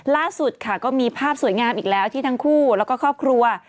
ล่าสุดค่ะก็มีภาพสวยงามอีกแล้วที่ทั้งคู่แล้วก็ครอบครัว